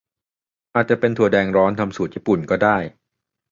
อาจจะเป็นถั่วแดงร้อนทำสูตรญี่ปุ่น ก็ได้